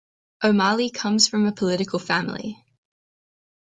O'Malley comes from a political family.